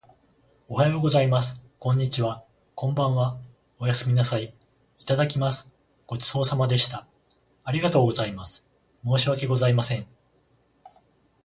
おはようございます。こんにちは。こんばんは。おやすみなさい。いただきます。ごちそうさまでした。ありがとうございます。申し訳ございません。